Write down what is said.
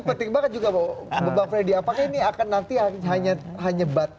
penting banget juga bang freddy apakah ini akan nanti hanya bat